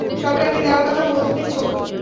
সরকারকে দেওয়ার কথা বলতেছো?